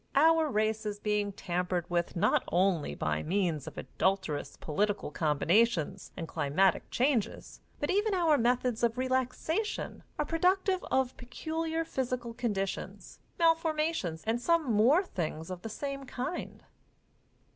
Our race is being tampered with not only by means of adulterations, political combinations and climatic changes, but even our methods of relaxation are productive of peculiar physical conditions, malformations and some more things of the same kind.